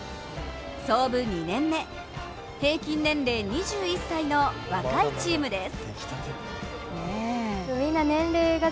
創部２年目、平均年齢２１歳の若いチームです。